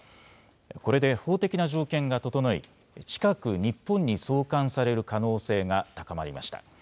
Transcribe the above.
これで法的な条件が整い近く日本に送還される可能性が高まりました。